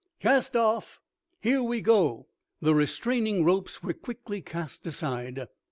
Cast off! Here we go!" The restraining ropes were quickly cast aside.